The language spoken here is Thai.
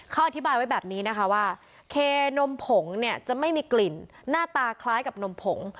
เขาอธิบายไว้แบบนี้นะคะว่าเคนมผงเนี่ยจะไม่มีกลิ่นหน้าตาคล้ายกับนมผง